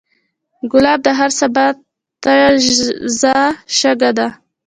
ګلاب د هر سبا تازه شګه ده.